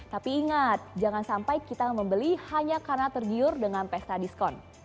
tapi ingat jangan sampai kita membeli hanya karena tergiur dengan pesta diskon